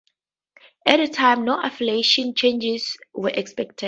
At the time, no affiliation changes were expected.